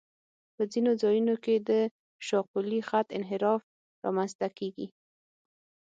په ځینو ځایونو کې د شاقولي خط انحراف رامنځته کیږي